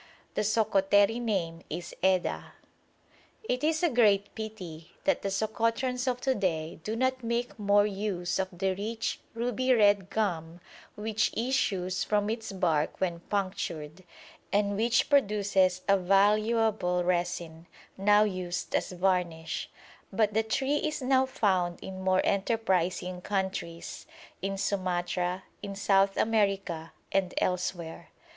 The Sokoteri name is edah. It is a great pity that the Sokotrans of to day do not make more use of the rich ruby red gum which issues from its bark when punctured, and which produces a valuable resin, now used as varnish; but the tree is now found in more enterprising countries in Sumatra, in South America, and elsewhere.